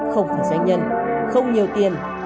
không phải doanh nhân không nhiều tiền